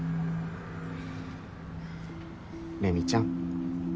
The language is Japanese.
レミちゃん。